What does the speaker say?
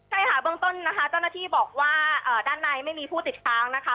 ใช่ค่ะเบื้องต้นนะคะเจ้าหน้าที่บอกว่าด้านในไม่มีผู้ติดค้างนะคะ